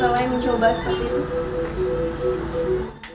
daerah atau lain mencoba seperti itu